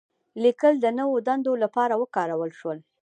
لیکل د نوو دندو لپاره وکارول شول.